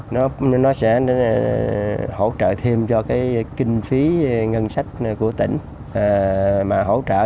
nó sẽ hỗ trợ thêm cho cái kinh phí ngân sách của tỉnh mà hỗ trợ